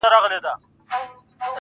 o کومه ورځ چي تاته زه ښېرا کوم.